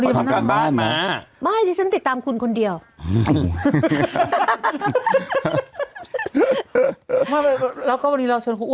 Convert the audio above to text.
ทำได้บ้างนะนะคะ